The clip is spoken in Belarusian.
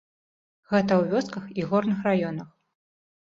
Гэта ў вёсках і горных раёнах.